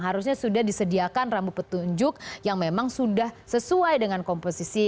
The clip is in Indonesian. harusnya sudah disediakan rambu petunjuk yang memang sudah sesuai dengan komposisi